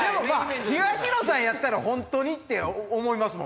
東野さんやったら本当にって思いますもん。